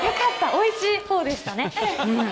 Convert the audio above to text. おいしいほうでしたね。